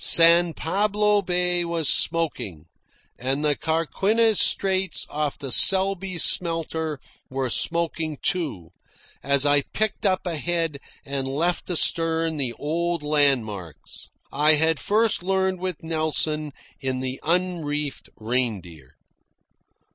San Pablo Bay was smoking, and the Carquinez Straits off the Selby Smelter were smoking, as I picked up ahead and left astern the old landmarks I had first learned with Nelson in the unreefer Reindeer.